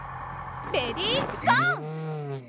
レディーゴー！